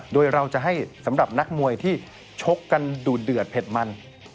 โดยเราจะให้สำหรับนักมวยที่ชกกันดูเดือดเผ็ดมัน